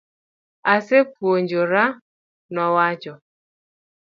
Asepuojora, nowacho.